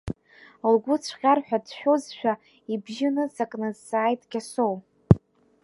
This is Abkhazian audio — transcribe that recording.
Лгәы цәҟьар ҳәа дшәозшәа, ибжьы ныҵакны дҵааит Кьасоу.